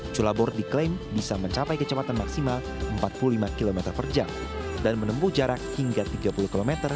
cula board diklaim bisa mencapai kecepatan maksimal empat puluh lima km per jam dan menempuh jarak hingga tiga puluh km